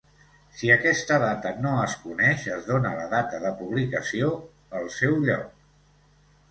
Si aquesta data no es coneix, es dóna la data de publicació el seu lloc.